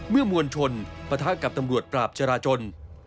เมื่อมวลชนปะทะกับตำรวจปราบชราชน